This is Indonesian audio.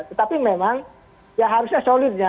tetapi memang ya harusnya solidnya